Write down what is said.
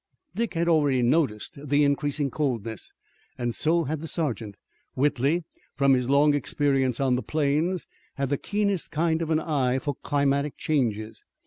Dick had already noticed the increasing coldness and so had the sergeant. Whitley, from his long experience on the plains, had the keenest kind of an eye for climatic changes.